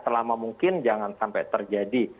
selama mungkin jangan sampai terjadi